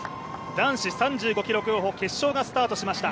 男子３５ｋｍ競歩決勝がスタートしました。